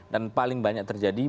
dan paling banyak terjadi